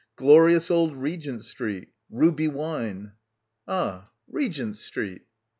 "Glorious old Regent Street. Ruby wine." "Ah, Regent Street."